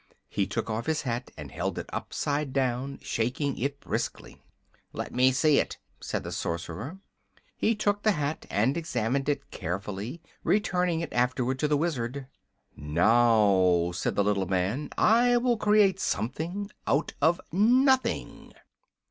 He took off his hat and held it upside down, shaking it briskly. "Let me see it," said the Sorcerer. He took the hat and examined it carefully, returning it afterward to the Wizard. "Now," said the little man, "I will create something out of nothing."